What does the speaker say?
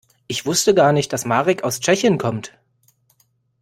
Ich wusste gar nicht, dass Marek aus Tschechien kommt.